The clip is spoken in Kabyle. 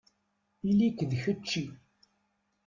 Ili-k d kečči.